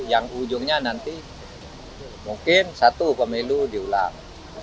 yang ujungnya nanti mungkin satu pemilu diulang